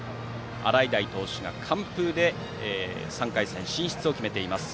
洗平投手が完封で３回戦進出を決めています。